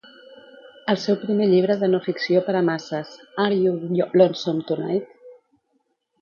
El seu primer llibre de no-ficció per a masses, "Are You Lonesome Tonight?".